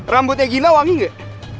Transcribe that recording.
rambutnya gina wangi gak